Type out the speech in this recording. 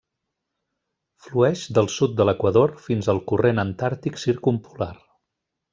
Flueix del sud de l'equador fins al Corrent Antàrtic Circumpolar.